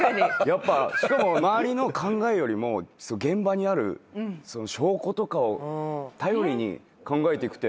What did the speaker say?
しかも周りの考えよりも現場にある証拠とかを頼りに考えていくって。